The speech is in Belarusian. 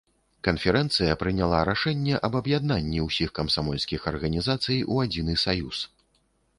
Канферэнцыя прыняла рашэнне аб аб'яднанні ўсіх камсамольскіх арганізацый у адзіны саюз.